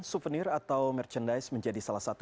souvenir atau merchandise menjadi salah satu